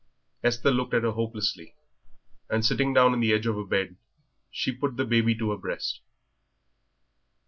Esther looked at her hopelessly, and sitting down on the edge of her bed she put the baby to her breast.